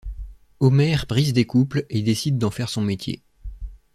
Homer brise des couples et décide d'en faire son métier.